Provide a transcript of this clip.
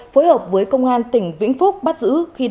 phối hợp với công an tỉnh vĩnh phúc bắt giữ khi